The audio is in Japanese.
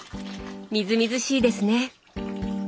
みずみずしいですね！